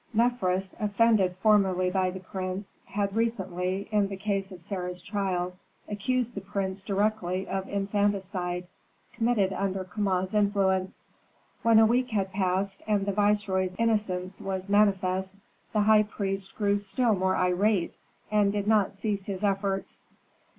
Mefres, offended formerly by the prince, had recently, in the case of Sarah's child, accused the prince directly of infanticide, committed under Kama's influence. When a week had passed, and the viceroy's innocence was manifest, the high priest grew still more irate, and did not cease his efforts.